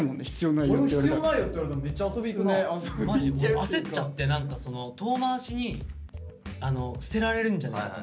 焦っちゃって何かその遠回しに捨てられるんじゃないか。